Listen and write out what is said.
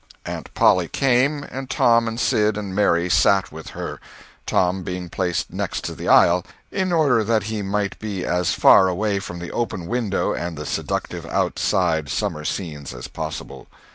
Aunt Polly came, and Tom and Sid and Mary sat with her—Tom being placed next the aisle, in order that he might be as far away from the open window and the seductive outside summer scenes as possible.